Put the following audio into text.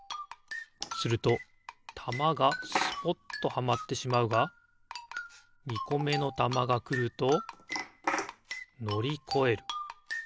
するとたまがスポッとはまってしまうが２こめのたまがくるとのりこえる。